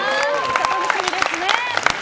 楽しみですね。